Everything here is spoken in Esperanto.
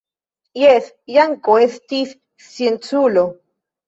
Jes, Janko estis scienculo.